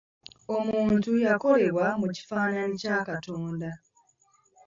Omuntu yakolebwa mu kifaananyi kya Katonda.